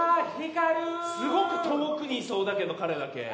すごく遠くにいそうだけど彼だけ。